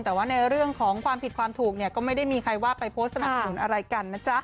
แต่ว่าในเรื่องของความผิดความถูกเนี่ยก็ไม่ได้มีใครว่าไปโพสต์สนับสนุนอะไรกันนะจ๊ะ